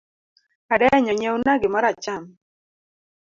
Adenyo nyiewna gimoro acham.